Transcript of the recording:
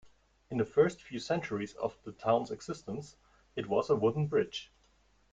In the first few centuries of the town's existence, it was a wooden bridge.